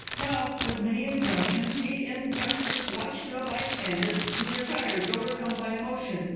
Now, with many injunctions, he entrusts his watch to a bystander, who retires, overcome by emotion.